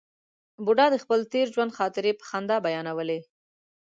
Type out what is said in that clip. بوډا د خپل تېر ژوند خاطرې په خندا بیانولې.